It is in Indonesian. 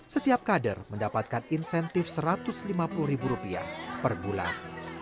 setiap kader mendapatkan insentif satu ratus lima puluh ribu rupiah per bulan